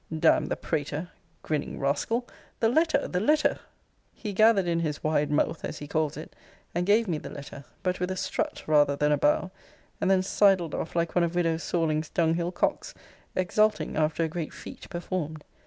D n the prater; grinning rascal! The letter! The letter! He gathered in his wide mothe, as he calls it, and gave me the letter; but with a strut, rather than a bow; and then sidled off like one of widow Sorlings's dunghill cocks, exulting after a great feat performed.